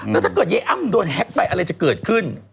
แล้วถ้าเกิดยายอ้ำโดนแฮ็กไปอะไรจะเกิดขึ้น